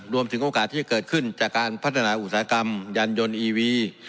รวมถึงโอกาสที่จะเกิดขึ้นจากการพัฒนาอุตสาหกรรมยานยนต์อีวี